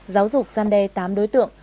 giáo dục gian đe tám đối tượng